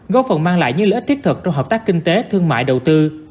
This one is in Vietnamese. góp phần mang lại những lợi ích thiết thực trong hợp tác kinh tế thương mại đầu tư